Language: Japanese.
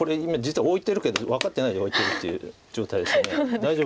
はい。